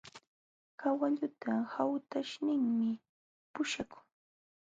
Kawalluta haytaśhtinmi puśhakun.